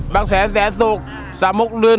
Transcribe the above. ไม่ต้องไล่มาแล้ว